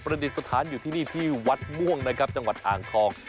ดิษฐานอยู่ที่นี่ที่วัดม่วงนะครับจังหวัดอ่างทอง